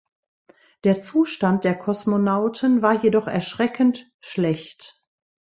Der Zustand der Kosmonauten war jedoch erschreckend schlecht.